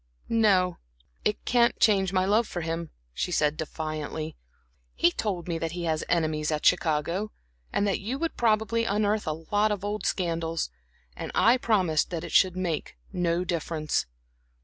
"No, it can't change my love for him," she said, defiantly. "He told me that he has enemies at Chicago, and that you would probably unearth a lot of old scandals; and I promised that it should make no difference.